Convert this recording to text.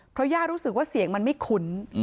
เพราะย่ารู้สึกว่าเสียงมันไม่คุ้น